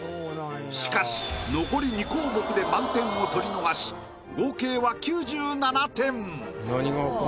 しかし残り２項目で満点を取り逃し合計は９７点！